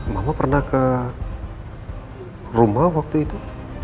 mama pernah ke rumah waktu itu